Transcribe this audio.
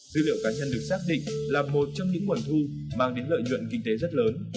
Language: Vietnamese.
dữ liệu cá nhân được xác định là một trong những nguồn thu mang đến lợi nhuận kinh tế rất lớn